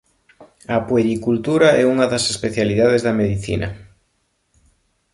A puericultura é unha das especialidades da medicina.